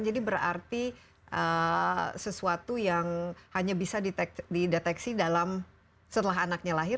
jadi berarti sesuatu yang hanya bisa dideteksi dalam setelah anaknya lahir